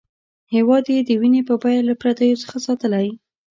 هېواد یې د وینې په بیه له پردیو څخه ساتلی.